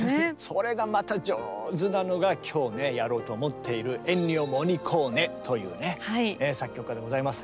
それがまた上手なのが今日ねやろうと思っているエンニオ・モリコーネというね作曲家でございますが。